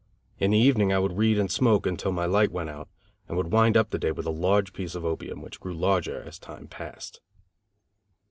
In the evening I would read and smoke until my light went out, and would wind up the day with a large piece of opium, which grew larger, as time passed.